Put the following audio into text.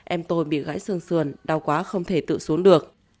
em tôi bị gãi xương xườn đau quá không thể tự xuống được